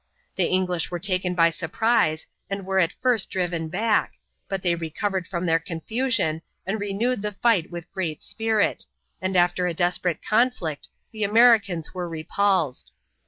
The English were taken by surprise and were at first driven back, but they recovered from their confusion and renewed the fight with great spirit, and after a desperate conflict the Americans were repulsed.